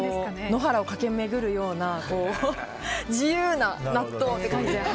野原を駆け巡るような自由な納豆という感じで。